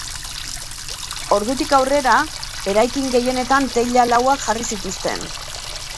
Ordutik aurrera, eraikin gehienetan teila lauak jarri zituzten.